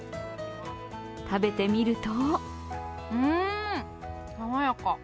食べてみるとうーん、爽やか。